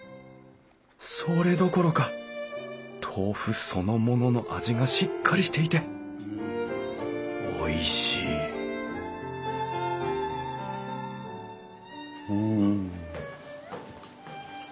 それどころか豆腐そのものの味がしっかりしていておいしいうん。